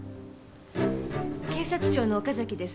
警察庁の岡崎です。